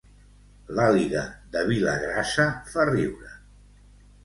L'àliga de Vilagrassa fa riure